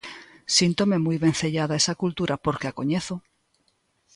Síntome moi vencellada a esa cultura porque a coñezo.